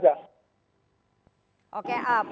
jadi momen penting yang kemungkinan kita ambil adalah